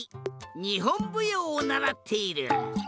にほんぶようをならっている。